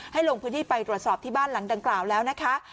ลงพื้นที่ไปตรวจสอบที่บ้านหลังดังกล่าวแล้วนะคะ